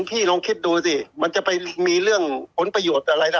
พี่ลองคิดดูสิมันจะไปมีเรื่องผลประโยชน์อะไรล่ะ